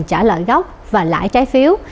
trả lợi gốc và lãi trái phiếu